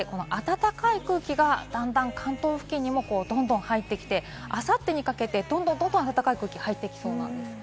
変わって暖かい空気がだんだん関東付近にもどんどん入ってきて明後日にかけてどんどん暖かい空気が入ってきそうなんです。